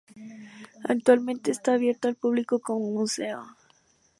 Actualmente está abierto al público como museo.